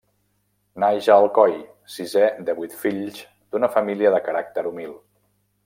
Naix a Alcoi sisé de vuit fills d'una família de caràcter humil.